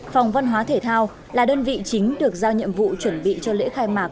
phòng văn hóa thể thao là đơn vị chính được giao nhiệm vụ chuẩn bị cho lễ khai mạc